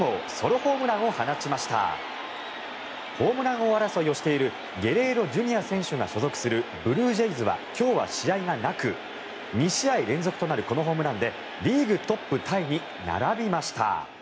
ホームラン王争いをしているゲレーロＪｒ．選手が所属するブルージェイズは今日は試合がなく２試合連続となるこのホームランでリーグトップタイに並びました。